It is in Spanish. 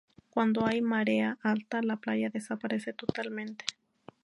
Cuando hay marea alta la playa desaparece totalmente.